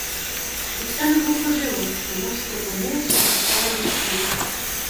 І все немов ожило, немов стрепенулося з важкого знесилля.